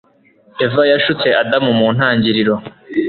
eva yashutse adamu mu ntangiriro